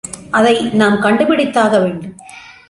அதை நாம் கண்டு பிடித்தாக வேண்டும்.